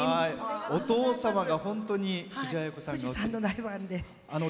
お父様が本当に藤あや子さんのファンで。